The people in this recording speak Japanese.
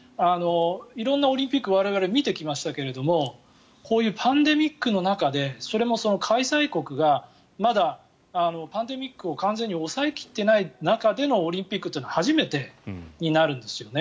色んなオリンピックを我々は見てきましたけどこういうパンデミックの中でそれも開催国がまだパンデミックを完全に抑え切っていない中でのオリンピックというのは初めてになるんですよね。